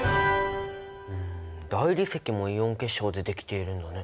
大理石もイオン結晶でできているんだね。